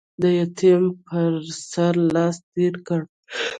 د يتيم پر سر لاس تېر کړه.